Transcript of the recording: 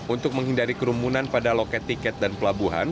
untuk menghindari kerumunan pada loket tiket dan pelabuhan